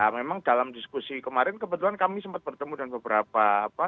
memang dalam diskusi kemarin kebetulan kami sempat bertemu dengan beberapa